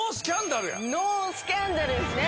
ノースキャンダルですね。